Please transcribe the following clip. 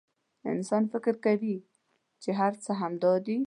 انسان فکر کوي چې هر څه همدا دي.